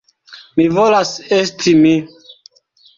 Mi volas esti mi.